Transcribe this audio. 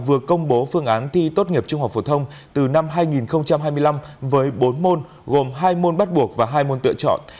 vừa công bố phương án thi tốt nghiệp trung học phổ thông từ năm hai nghìn hai mươi năm với bốn môn gồm hai môn bắt buộc và hai môn tựa chọn